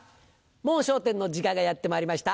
『もう笑点』の時間がやってまいりました。